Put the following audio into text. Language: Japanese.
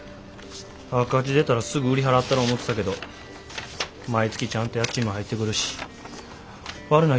赤字出たらすぐ売り払ったろ思てたけど毎月ちゃんと家賃も入ってくるし悪ない投資先やわ。